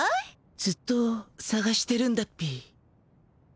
ずっとさがしてるんだっピィ。